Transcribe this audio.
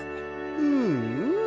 うんうん。